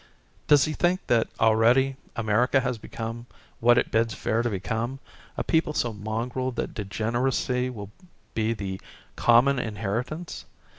Does he think that already America has become, what it bids fair to become, a people so mongrel that degeneracy will be the common inheritance?